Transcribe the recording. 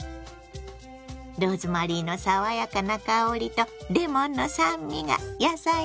ローズマリーの爽やかな香りとレモンの酸味が野菜に合うわ。